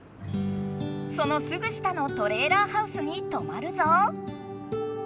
そのすぐ下のトレーラーハウスにとまるぞ。